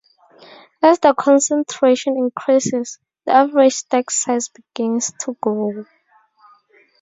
As the concentration increases, the average stack size begins to grow.